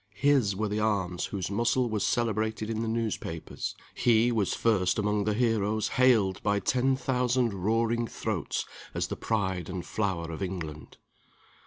His were the arms whose muscle was celebrated in the newspapers. He was first among the heroes hailed by ten thousand roaring throats as the pride and flower of England.